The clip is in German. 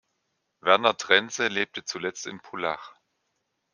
Werner Trense lebte zuletzt in Pullach.